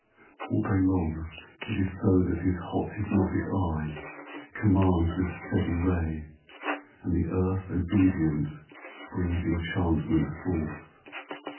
VII All day long it is so that his hot hypnotic eye commands With steady ray; and the earth obedient brings enchantment forth.